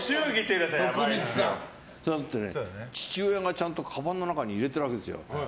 父親がちゃんとかばんの中に入れてるわけです。